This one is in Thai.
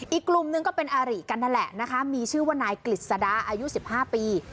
อีกกลุ่มหนึ่งก็เป็นอาริกันนั่นแหละนะคะมีชื่อว่านายกฤษดาอายุ๑๕ปี